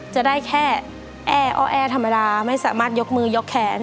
จะได้แค่แอ้อแอธรรมดาไม่สามารถยกมือยกแขน